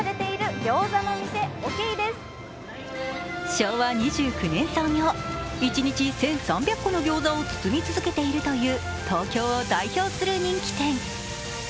昭和２９年創業、一日１３００個の餃子を包み続けているという東京を代表する人気店。